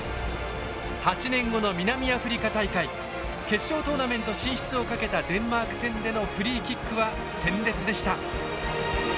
決勝トーナメント進出をかけたデンマーク戦でのフリーキックは鮮烈でした。